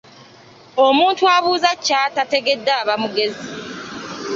Omuntu abuuza ky'atategedde aba mugezi.